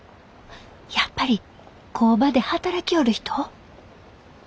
やっぱり工場で働きょおる人？